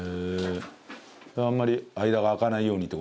あんまり間が空かないようにって事？